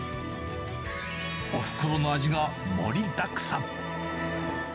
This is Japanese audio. おふくろの味が盛りだくさん。